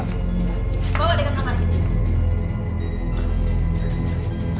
aku ingin memberitahu sesuatu padamu